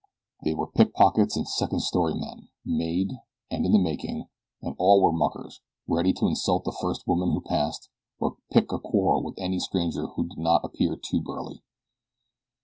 They were pickpockets and second story men, made and in the making, and all were muckers, ready to insult the first woman who passed, or pick a quarrel with any stranger who did not appear too burly.